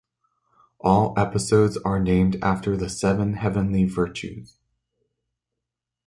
All episodes are named after the seven heavenly virtues.